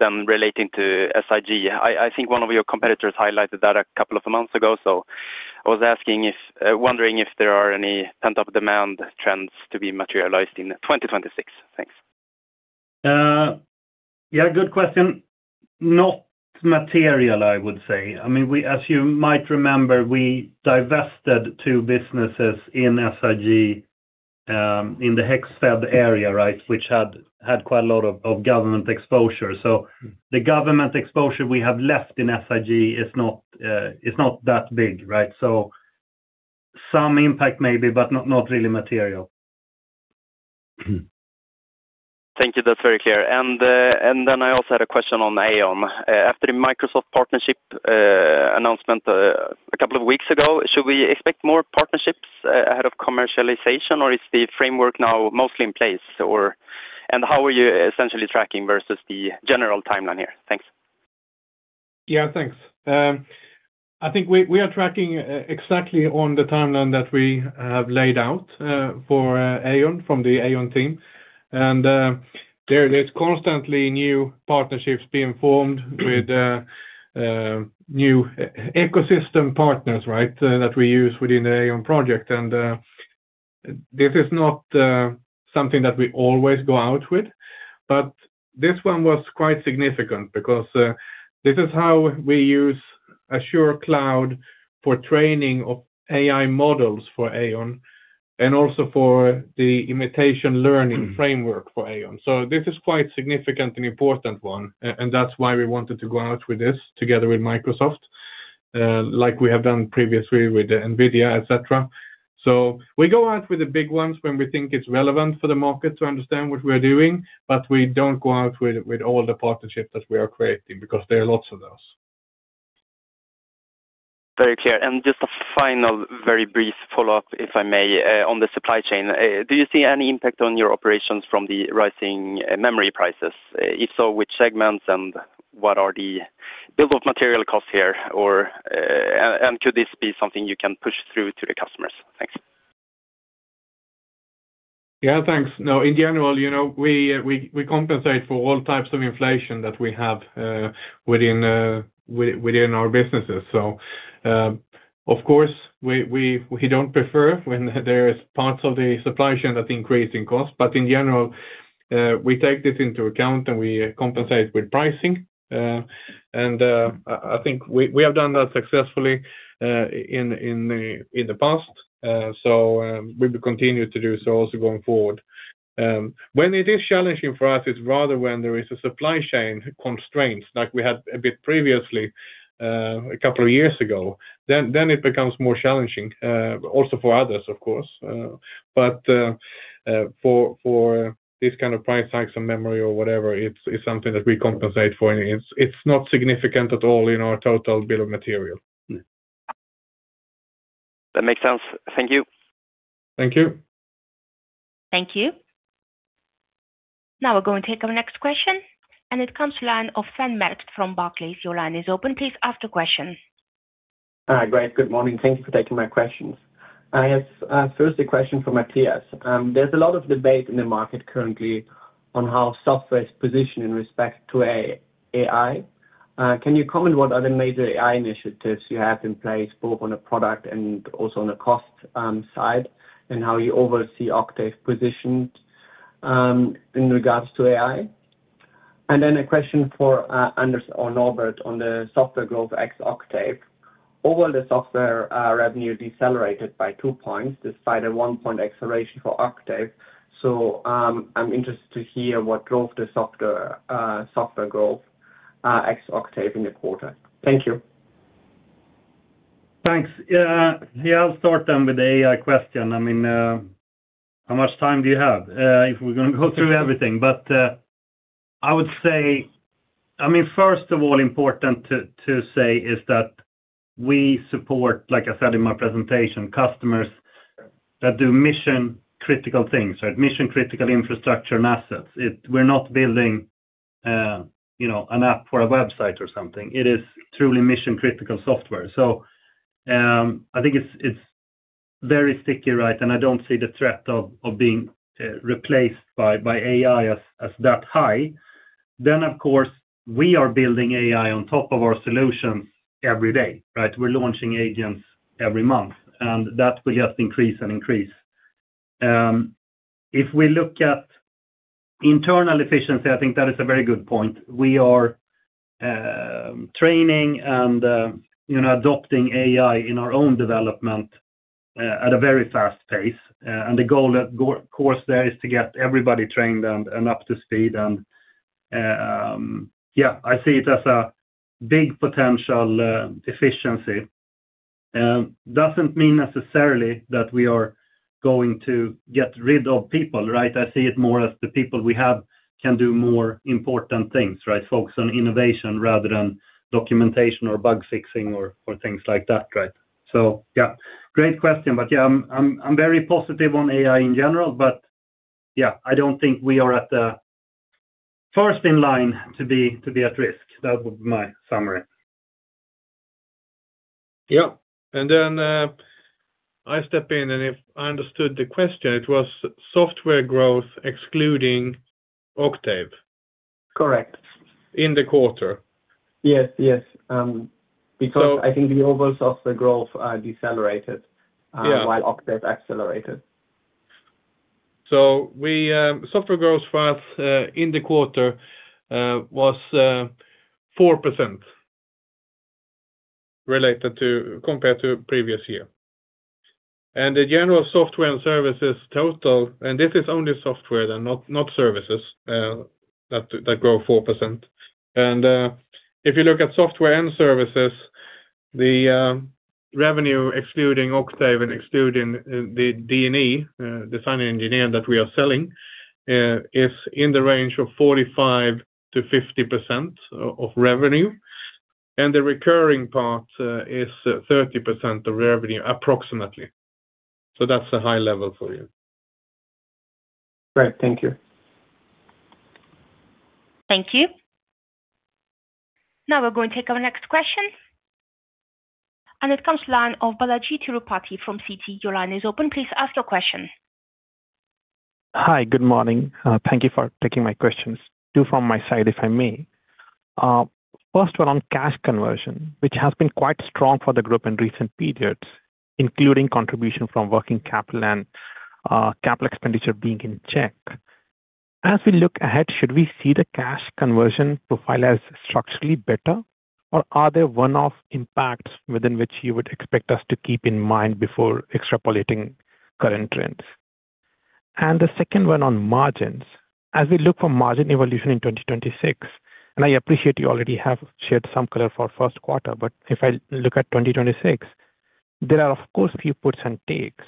then relating to SIG? I think one of your competitors highlighted that a couple of months ago, so I was wondering if there are any pent-up demand trends to be materialized in 2026. Thanks. Yeah, good question. Not material, I would say. I mean, as you might remember, we divested two businesses in SIG in the Huntsville area, right? Which had quite a lot of government exposure. So the government exposure we have left in SIG is not that big, right? So some impact maybe, but not, not really material. Thank you. That's very clear. And, and then I also had a question on AEON. After the Microsoft partnership announcement, a couple of weeks ago, should we expect more partnerships ahead of commercialization, or is the framework now mostly in place? Or, and how are you essentially tracking versus the general timeline here? Thanks. Yeah, thanks. I think we are tracking exactly on the timeline that we have laid out for AEON, from the AEON team. And there is constantly new partnerships being formed with new ecosystem partners, right, that we use within the AEON project. And this is not something that we always go out with, but this one was quite significant because this is how we use Azure Cloud for training of AI models for AEON, and also for the imitation learning framework for AEON. So this is quite significant and important one, and that's why we wanted to go out with this together with Microsoft, like we have done previously with NVIDIA, et cetera. We go out with the big ones when we think it's relevant for the market to understand what we're doing, but we don't go out with all the partnerships that we are creating because there are lots of those. Very clear. And just a final, very brief follow-up, if I may, on the supply chain. Do you see any impact on your operations from the rising memory prices? If so, which segments and what are the bill of materials costs here, or and could this be something you can push through to the customers? Thanks. Yeah, thanks. No, in general, you know, we compensate for all types of inflation that we have within our businesses. So, of course, we don't prefer when there is parts of the supply chain that increase in cost, but in general, we take this into account, and we compensate with pricing. And, I think we have done that successfully in the past. So, we will continue to do so also going forward. When it is challenging for us, it's rather when there is a supply chain constraints, like we had a bit previously, a couple of years ago, then it becomes more challenging, also for others, of course. But for this kind of price hikes on memory or whatever, it's something that we compensate for, and it's not significant at all in our total bill of materials. That makes sense. Thank you. Thank you. Thank you. Now we're going to take our next question, and it comes from the line of Sven Merkt from Barclays. Your line is open. Please ask the question. Hi. Great. Good morning. Thank you for taking my questions. I have first a question for Mattias. There's a lot of debate in the market currently on how software is positioned in respect to AI. Can you comment what are the major AI initiatives you have in place, both on the product and also on the cost side, and how you oversee Octave positioned in regards to AI? And then a question for Anders or Norbert on the software growth ex Octave. Overall, the software revenue decelerated by two points, despite a one point acceleration for Octave. So, I'm interested to hear what drove the software growth ex Octave in the quarter. Thank you. Thanks. Yeah. Yeah, I'll start then with the AI question. I mean, how much time do you have, if we're going to go through everything? But, I would say I mean, first of all, important to say is that we support, like I said in my presentation, customers that do mission-critical things, right? Mission-critical infrastructure and assets. We're not building, you know, an app for a website or something. It is truly mission-critical software. So, I think it's very sticky, right? And I don't see the threat of being replaced by AI as that high. Then, of course, we are building AI on top of our solutions every day, right? We're launching agents every month, and that will just increase and increase. If we look at internal efficiency, I think that is a very good point. We are training and, you know, adopting AI in our own development at a very fast pace. And the goal of course there is to get everybody trained and up to speed. And yeah, I see it as a big potential efficiency. Doesn't mean necessarily that we are going to get rid of people, right? I see it more as the people we have can do more important things, right? Focus on innovation rather than documentation or bug fixing or things like that, right? So yeah, great question. But yeah, I'm very positive on AI in general, but yeah, I don't think we are at the first in line to be at risk. That would be my summary. Yeah. And then, I step in, and if I understood the question, it was software growth excluding Octave? Correct. In the quarter? Yes, yes, because- So- I think the overall software growth decelerated- Yeah while Octave accelerated. So we software growth path in the quarter was 4% related to compared to previous year. And the general software and services total, and this is only software and not services. That, that grow 4%. And if you look at software and services, the revenue excluding Octave and excluding the D&E design and engineering that we are selling is in the range of 45%-50% of revenue, and the recurring part is 30% of revenue, approximately. So that's a high level for you. Great, thank you. Thank you. Now we're going to take our next question, and it comes from the line of Balajee Tirupati from Citi. Your line is open. Please ask your question. Hi, good morning. Thank you for taking my questions. Two from my side, if I may. First, one on cash conversion, which has been quite strong for the group in recent periods, including contribution from working capital and, capital expenditure being in check. As we look ahead, should we see the cash conversion profile as structurally better, or are there one-off impacts within which you would expect us to keep in mind before extrapolating current trends? The second one on margins. As we look for margin evolution in 2026, and I appreciate you already have shared some color for first quarter, but if I look at 2026, there are, of course, few puts and takes.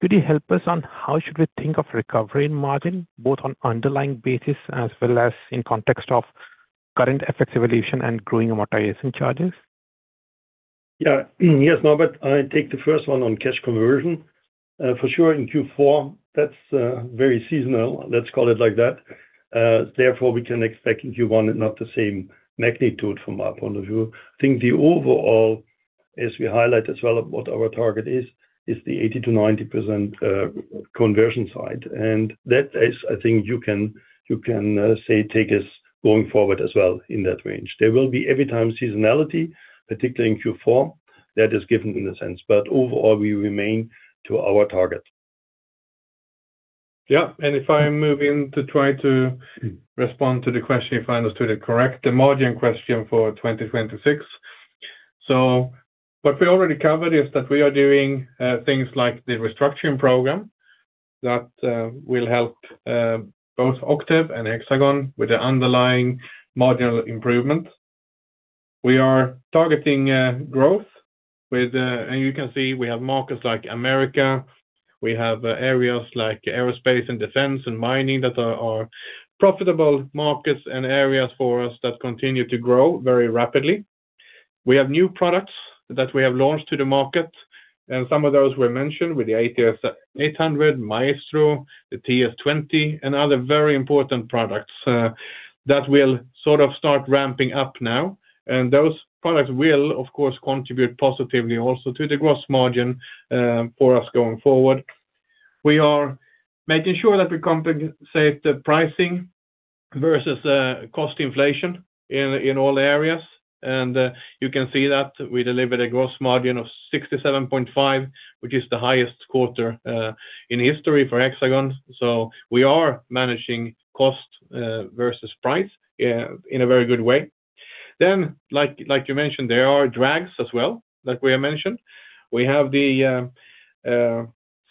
Could you help us on how should we think of recovery in margin, both on underlying basis as well as in context of currency effects evaluation and growing amortization charges? Yeah. Yes, Norbert, I take the first one on cash conversion. For sure, in Q4, that's very seasonal. Let's call it like that. Therefore, we can expect in Q1 not the same magnitude from our point of view. I think the overall, as we highlight as well, what our target is, is the 80%-90% conversion side, and that is, I think you can say, take us going forward as well in that range. There will be every time seasonality, particularly in Q4, that is given in a sense, but overall, we remain to our target. Yeah, and if I move in to try to respond to the question, if I understood it correct, the margin question for 2026. So what we already covered is that we are doing things like the restructuring program that will help both Octave and Hexagon with the underlying marginal improvements. We are targeting growth with. And you can see we have markets like Americas. We have areas like aerospace and defense and mining that are profitable markets and areas for us that continue to grow very rapidly. We have new products that we have launched to the market, and some of those were mentioned with the ATS800, MAESTRO, the TS20, and other very important products that will sort of start ramping up now. Those products will, of course, contribute positively also to the gross margin, for us going forward. We are making sure that we compensate the pricing versus cost inflation in all areas. And you can see that we delivered a gross margin of 67.5%, which is the highest quarter in history for Hexagon. So we are managing cost versus price in a very good way. Then, like you mentioned, there are drags as well, like we have mentioned. We have the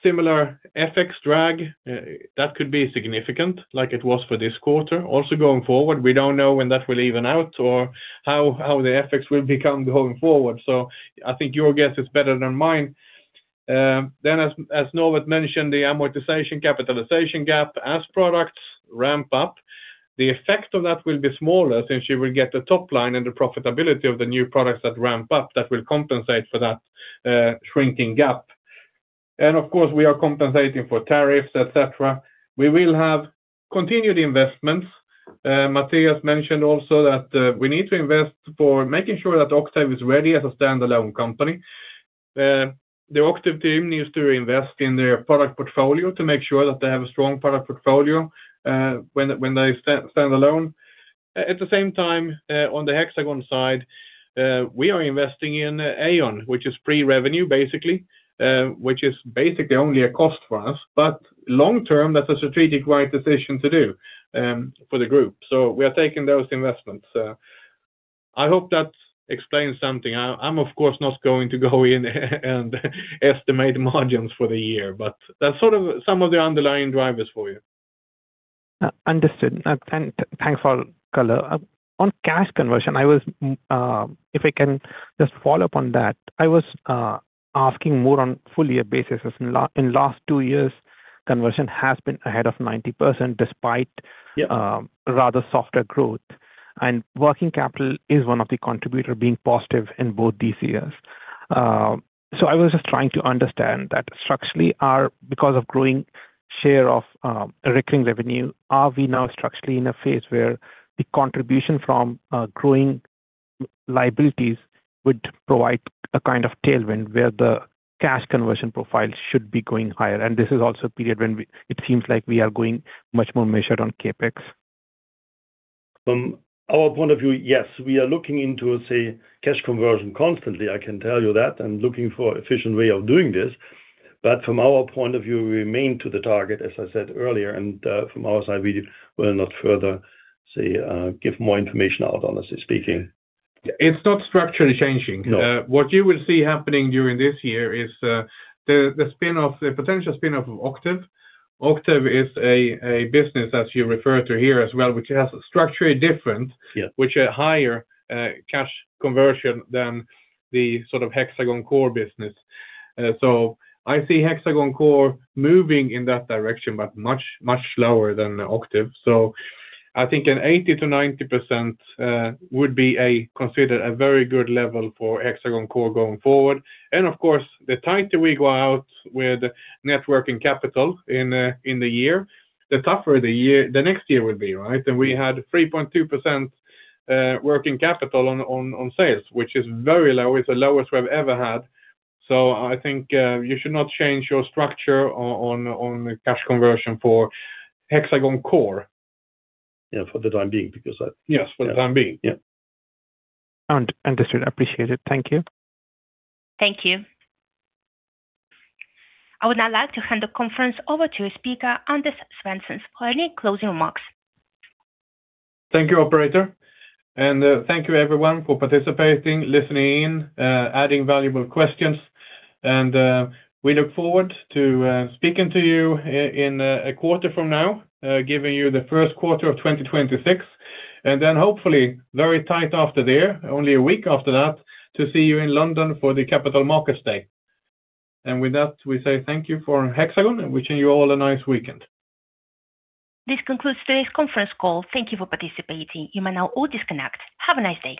similar FX drag that could be significant, like it was for this quarter. Also, going forward, we don't know when that will even out or how the effects will become going forward. So I think your guess is better than mine. Then, as Norbert mentioned, the amortization capitalization gap. As products ramp up, the effect of that will be smaller, since you will get the top line and the profitability of the new products that ramp up, that will compensate for that, shrinking gap. And of course, we are compensating for tariffs, et cetera. We will have continued investments. Mattias mentioned also that we need to invest for making sure that Octave is ready as a standalone company. The Octave team needs to invest in their product portfolio to make sure that they have a strong product portfolio, when they stand alone. At the same time, on the Hexagon side, we are investing in AEON, which is pre-revenue, basically, which is basically only a cost for us, but long term, that's a strategic right decision to do, for the group. So we are taking those investments. I hope that explains something. I'm of course not going to go in and estimate margins for the year, but that's sort of some of the underlying drivers for you. Understood. Thanks for all color. On cash conversion, if I can just follow up on that, I was asking more on full-year basis. As in last two years, conversion has been ahead of 90%, despite- Yeah rather softer growth, and working capital is one of the contributor being positive in both these years. So I was just trying to understand that structurally, because of growing share of recurring revenue, are we now structurally in a phase where the contribution from growing liabilities would provide a kind of tailwind, where the cash conversion profile should be going higher? And this is also a period when we it seems like we are going much more measured on CapEx. From our point of view, yes, we are looking into, say, cash conversion constantly, I can tell you that, and looking for efficient way of doing this. But from our point of view, we remain to the target, as I said earlier, and, from our side, we will not further say, give more information out, honestly speaking. It's not structurally changing. No. What you will see happening during this year is the spin-off, the potential spin-off of Octave. Octave is a business, as you refer to here as well, which has structurally different- Yeah. which are higher cash conversion than the sort of Hexagon core business. So I see Hexagon core moving in that direction, but much, much slower than Octave. So I think an 80%-90% would be considered a very good level for Hexagon core going forward. And of course, the tighter we go out with net working capital in the year, the tougher the year, the next year will be, right? And we had 3.2% working capital on sales, which is very low. It's the lowest we've ever had. So I think you should not change your structure on cash conversion for Hexagon core. Yeah, for the time being, because I- Yes, for the time being. Yeah. Understood. Appreciate it. Thank you. Thank you. I would now like to hand the conference over to speaker, Anders Svensson, for any closing remarks. Thank you, operator, and thank you everyone for participating, listening in, adding valuable questions. We look forward to speaking to you in a quarter from now, giving you the first quarter of 2026, and then hopefully very tight after there, only a week after that, to see you in London for the Capital Markets Day. And with that, we say thank you for Hexagon, and wishing you all a nice weekend. This concludes today's conference call. Thank you for participating. You may now all disconnect. Have a nice day.